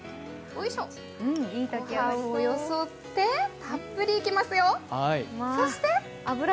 ごはんをよそって、たっぷりいきますよ。